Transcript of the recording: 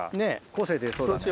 個性出そうだね。